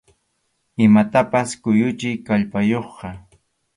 Imatapas kuyuchiq kallpayuqqa.